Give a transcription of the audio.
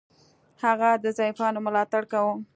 هغه د ضعیفانو ملاتړ کاوه.